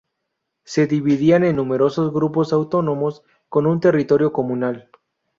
Se dividían en numerosos grupos autónomos, con un territorio comunal.